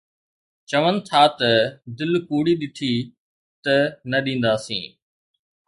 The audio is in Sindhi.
چون ٿا ته دل ڪوڙي ڏٺي ته نه ڏينداسين